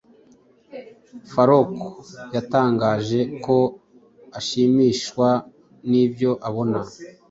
Falcon yatangaje ko ashimishwa nibyo abona